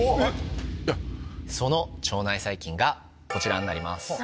その腸内細菌がこちらになります。